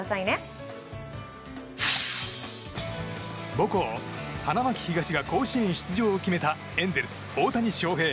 母校・花巻東が甲子園出場を決めたエンゼルス、大谷翔平。